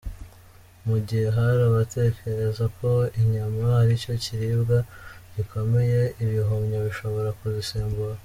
Mu gihe hari abatekereza ko inyama ari cyo kiribwa gikomeye, ibihumyo bishobora kuzisimbura.